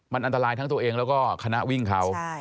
มันอันตรายทั้งตัวเองแล้วก็คณะวิ่งเขา